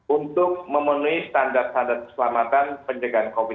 untuk memenuhi standar standar keselamatan penjagaan covid sembilan belas